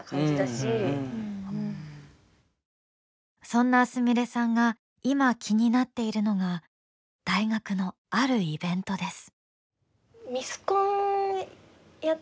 そんなすみれさんが今、気になっているのが大学の、あるイベントです。